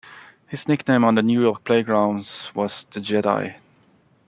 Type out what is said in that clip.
His nickname on the New York playgrounds was "The Jedi".